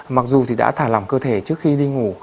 mặc dù thì đã thả lỏng cơ thể trước khi đi ngủ